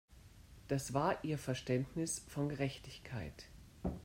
Das war ihr Verständnis von Gerechtigkeit.